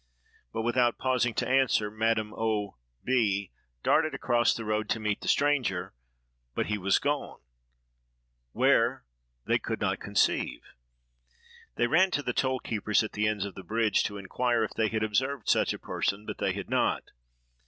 But, without pausing to answer, Madame O—— B—— darted across the road to meet the stranger—but he was gone: where? they could not conceive. They ran to the toll keepers at the ends of the bridge, to inquire if they had observed such a person, but they had not.